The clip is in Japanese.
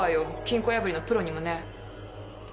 金庫破りのプロにもね。